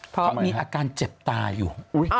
เพราะมีอาการเจ็บตาอยู่